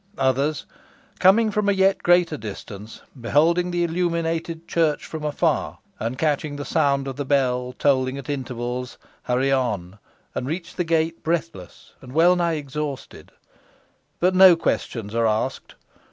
Others, coming from a yet greater distance, beholding the illuminated church from afar, and catching the sound of the bell tolling at intervals, hurry on, and reach the gate breathless and wellnigh exhausted. But no questions are asked.